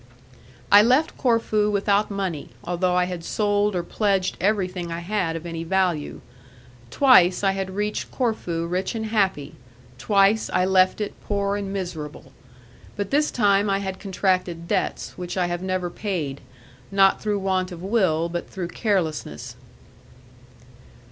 I left Corfu without money, although I had sold or pledged everything I had of any value. Twice I had reached Corfu rich and happy, twice I left it poor and miserable. But this time I had contracted debts which I have never paid, not through want of will but through carelessness.